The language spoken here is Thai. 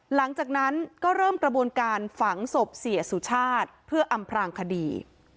หลังจากนั้นก็เริ่มกระบวนการฝังศพเสียสุชาติเพื่ออำพรางคดี